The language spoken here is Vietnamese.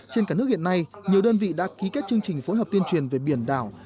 trên cả nước hiện nay nhiều đơn vị đã ký kết chương trình phối hợp tuyên truyền về biển đảo